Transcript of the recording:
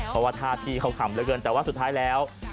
เพราะว่าท่าที่เขาขำเหลือเกินแต่ว่าสุดท้ายแล้ว